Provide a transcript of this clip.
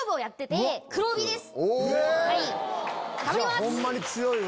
じゃあホンマに強いわ。